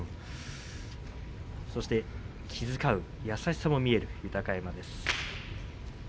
そして気遣う優しさも見える豊山です。